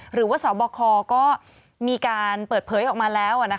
หรือว่าสบคก็มีการเปิดเผยออกมาแล้ว